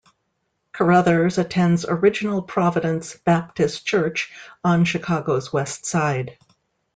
Carothers attends Original Providence Baptist Church on Chicago's west side.